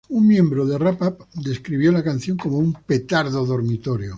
Un miembro de Rap-Up describió la canción como un "petardo dormitorio".